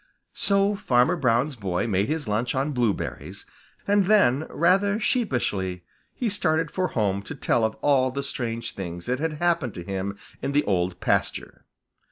So Farmer Brown's boy made his lunch on blueberries and then rather sheepishly he started for home to tell of all the strange things that had happened to him in the Old Pasture.